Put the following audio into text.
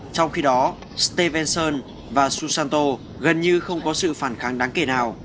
trong khi đó stevenson và susanto gần như không có sự phản kháng đáng kể nào